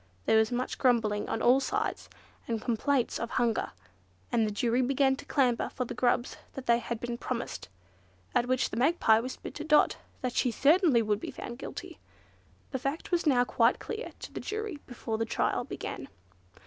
There was much grumbling on all sides, and complaints of hunger, and the jury began to clamour for the grubs that they had been promised, at which the Magpie whispered to Dot that she certainly would be found guilty. The fact was now quite clear to the jury before the trial began.